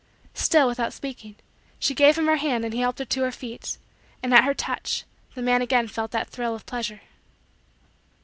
Still without speaking, she gave him her hand and he helped her to her feet; and, at her touch, the man again felt that thrill of pleasure.